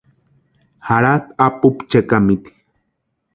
Jaratʼi apupu chekamiti.